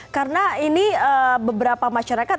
karena ini beberapa masyarakat